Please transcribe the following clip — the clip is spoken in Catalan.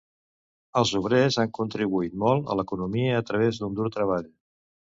Els obrers han contribuït molt a l'economia a través d'un dur treball.